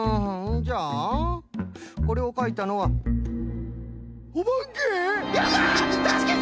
じゃあこれをかいたのはおばけ！？